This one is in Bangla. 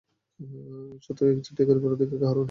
সত্যকে একচেটিয়া করিবার অধিকার কাহারও নই।